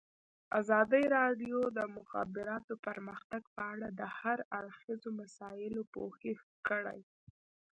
ازادي راډیو د د مخابراتو پرمختګ په اړه د هر اړخیزو مسایلو پوښښ کړی.